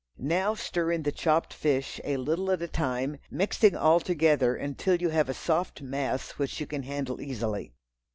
Now stir in the chopped fish, a little at a time, mixing all together until you have a soft mass which you can handle easily.